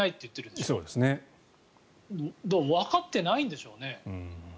だからわかってないんでしょうね。